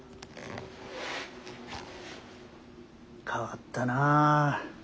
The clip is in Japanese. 変わったなあ。